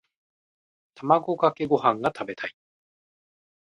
卵かけご飯が食べたい。